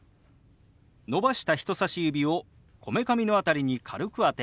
伸ばした人さし指をこめかみの辺りに軽く当てます。